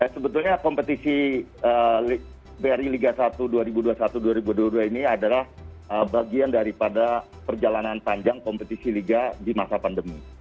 sebetulnya kompetisi bri liga satu dua ribu dua puluh satu dua ribu dua puluh dua ini adalah bagian daripada perjalanan panjang kompetisi liga di masa pandemi